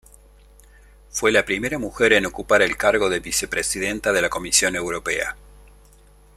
Fue la primera mujer en ocupar el cargo de Vicepresidenta de la Comisión Europea.